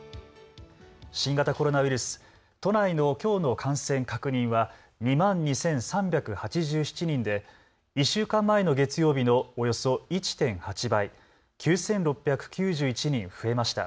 新型コロナウイルス、都内のきょうの感染確認は２万２３８７人で１週間前の月曜日のおよそ１．８倍、９６９１人増えました。